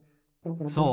そう。